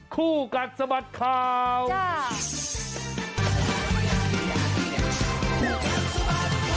คู่กันสมัครข่าวจ้า